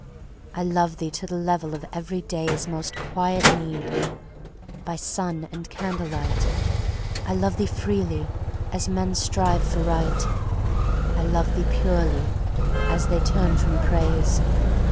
I love thee to the level of everyday's Most quiet need, by sun and candlelight. I love thee freely, as men strive for Right; I love thee purely, as they turn from Praise.